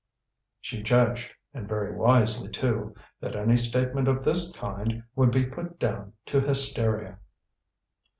She judged, and very wisely too, that any statement of this kind would be put down to hysteria.